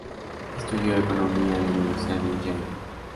Estudió economía en la Universidad de Yale.